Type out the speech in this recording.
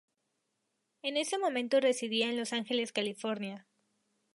En ese momento residía en Los Ángeles, California.